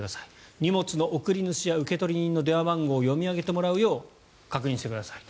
荷物の送り主や受取人の電話番号を読み上げてもらうよう確認してください。